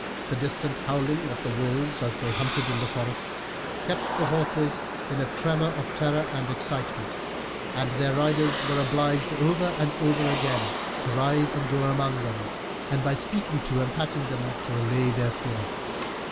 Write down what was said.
The distant howling of the wolves, as they hunted in the forest, kept the horses in a tremor of terror and excitement, and their riders were obliged over and over again to rise and go among them, and by speaking to and patting them, to allay their fear.